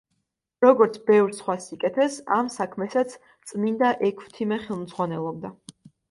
როგორც ბევრ სხვა სიკეთეს, ამ საქმესაც წმინდა ექვთიმე ხელმძღვანელობდა.